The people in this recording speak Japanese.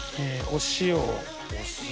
お塩。